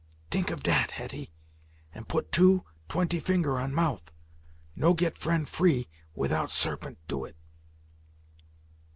"Tink of dat, Hetty, and put two, twenty finger on mouth. No get friend free without Sarpent do it."